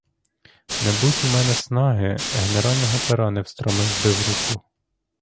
Не будь у мене снаги, генерального пера не встромив би в руку.